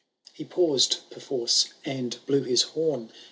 ^ He paused perforce, — and blew his horn.